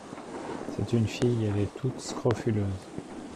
C'est une fille, elle est toute scrofuleuse.